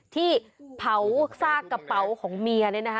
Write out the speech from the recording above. ที่เผาซากกระเป๋าของเมียเนี่ยนะคะ